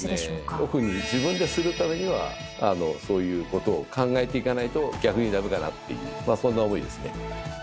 オフに自分でするためにはそういうことを考えていかないと逆に駄目かなっていうそんな思いですね。